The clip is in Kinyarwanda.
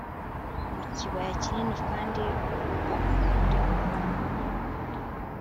mu kibaya kinini kandi rugakwira ahantu hanini